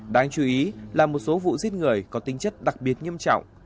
đáng chú ý là một số vụ giết người có tính chất đặc biệt nghiêm trọng